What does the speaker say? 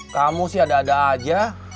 kamu sih ada ada aja